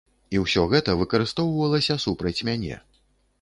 І ўсё гэта выкарыстоўвалася супраць мяне.